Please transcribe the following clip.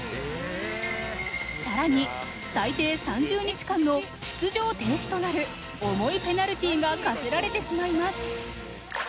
更に最低３０日間の出場停止となる重いペナルティーが科せられてしまいます。